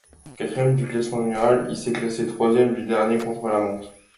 Quatrième du classement général, il s'est classé troisième du dernier contre-la-montre.